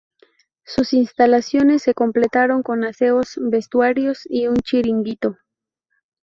Sus instalaciones se completaron con aseos, vestuarios y un chiringuito.